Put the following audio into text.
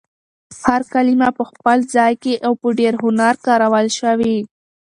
هر کلمه په خپل ځای کې په ډېر هنر کارول شوې.